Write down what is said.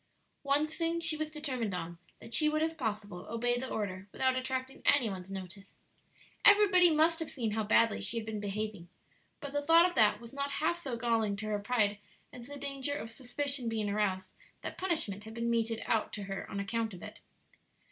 One thing she was determined on that she would if possible obey the order without attracting any one's notice. Everybody must have seen how badly she had been behaving, but the thought of that was not half so galling to her pride as the danger of suspicion being aroused that punishment had been meted out to her on account of it.